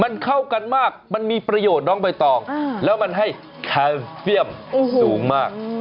มันเข้ากันมากมันมีประโยชน์น้องใบตองแล้วมันให้แคลเซียมสูงมาก